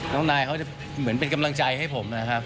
น้องนายเขาจะเหมือนเป็นกำลังใจให้ผมนะครับ